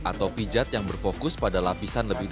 atau pijat yang berfokus pada lapisan lebih tinggi